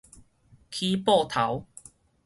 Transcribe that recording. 起報頭